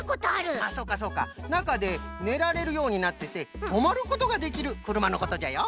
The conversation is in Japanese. なかでねられるようになっててとまることができるくるまのことじゃよ。